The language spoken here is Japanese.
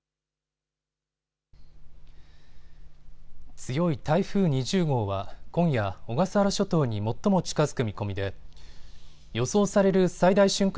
強い台風２０号は今夜、小笠原諸島に最も近づく見込みで予想される最大瞬間